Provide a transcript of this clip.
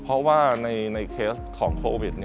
เพราะว่าในเคสของโควิด